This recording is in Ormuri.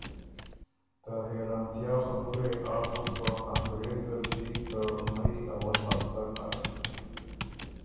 ته حېرانتیا خبُره يې آ بُک که انګرېز زر دی ته مئ اول هفته نر